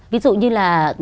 ví dụ như là